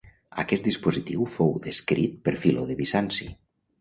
Aquest dispositiu fou descrit per Filó de Bizanci.